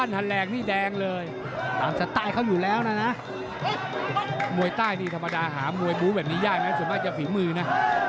ย่ายมันส่วนมากจะฝีมือน่ะ